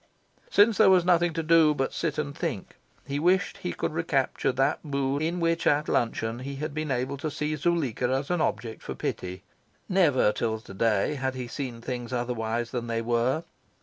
Since there was nothing to do but sit and think, he wished he could recapture that mood in which at luncheon he had been able to see Zuleika as an object for pity. Never, till to day, had he seen things otherwise than they were.